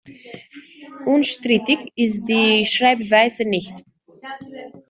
Unstrittig ist die Schreibweise nicht.